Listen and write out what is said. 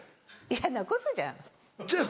いや残すじゃん。